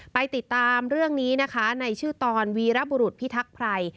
ไปติดตามเรื่องนี้นะคะในชื่อตอนวีรบุรุษพิทักษ์ไพร